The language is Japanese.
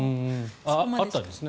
あったんですね。